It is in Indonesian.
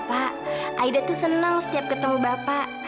pak aida itu senang setiap ketemu bapak